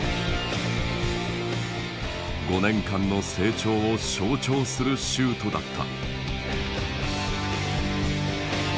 ５年間の成長を象徴するシュートだった。